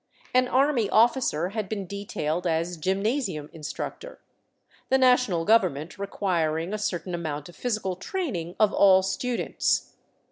An army officer had been detailed as gymna sium instructor, the national government requiring a certain amount of physical training of all students.